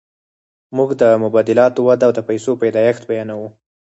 موږ د مبادلاتو وده او د پیسو پیدایښت بیانوو